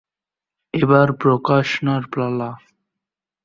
এবার প্রকাশনার পালা।